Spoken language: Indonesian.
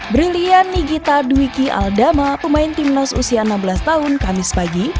brilliant nigita duwiki aldama pemain tim nasi usia enam belas tahun kamis pagi